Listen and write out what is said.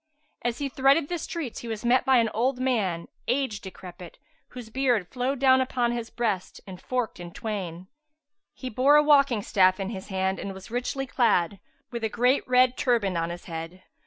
As he threaded the streets he was met by an old man age decrepit, whose beard flowed down upon his breast and forked in twain;[FN#380] he bore a walking staff in his hand and was richly clad, with a great red turband on his head.